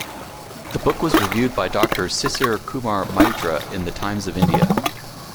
The book was reviewed by Doctor Sisir Kumar Maitra in the "Times of India".